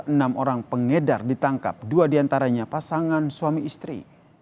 enam orang pengedar ditangkap dua diantaranya pasangan suami istri